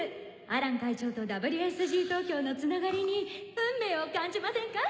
アラン会長とＷＳＧ東京のつながりに運命を感じませんか？